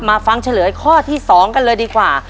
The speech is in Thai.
ฟังเฉลยข้อที่๒กันเลยดีกว่า